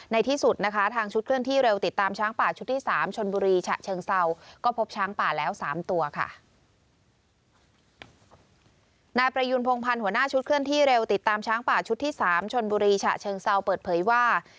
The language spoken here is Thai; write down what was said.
ในที่สุดนะคะทางชุดเคลื่อนที่เร็วติดตามช้างป่าชุดที่สามชนบุรีฉะเชิงเศร้า